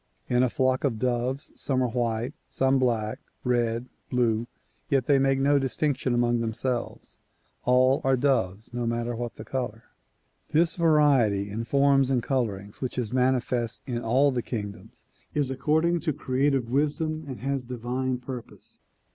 In a flock of doves some are white, some black, red, blue, yet they make no distinction among themselves. All are doves no matter what the color. This variety in forms and colorings which is manifest in all the kingdoms is according to creative wisdom and has divine purpose.